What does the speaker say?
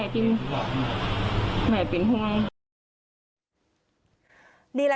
กลุ่มตัวเชียงใหม่